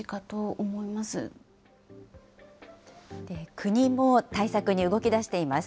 国も対策に動き出しています。